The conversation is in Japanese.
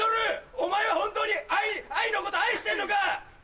お前は本当にアイのこと愛してんのか！